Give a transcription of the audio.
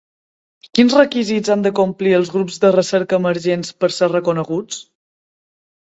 Quins requisits han de complir els grups de recerca emergents per ser reconeguts?